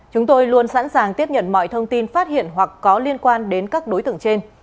chúng tôi luôn sẵn sàng tiếp nhận mọi thông tin phát hiện hoặc có liên quan đến các đối tượng trên